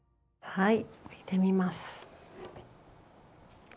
はい。